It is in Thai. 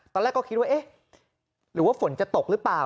ตอนแรกก็คิดว่าเอ๊ะหรือว่าฝนจะตกหรือเปล่า